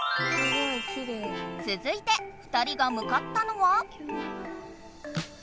続いて２人がむかったのは？